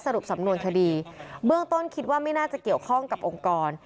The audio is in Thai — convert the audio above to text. สรุปสำนวนคดีเบื้องต้นคิดว่าไม่น่าจะเกี่ยวข้องกับองค์กร